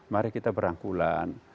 mari kita berangkulan